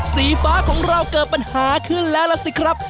สีฟ้าของเราเกิดปัญหาขึ้นแล้วล่ะสิครับ